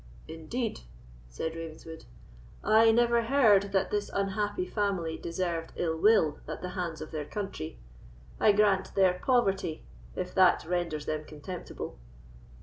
"Indeed!" said Ravenswood; "I never heard that this unhappy family deserved ill will at the hands of their country. I grant their poverty, if that renders them contemptible."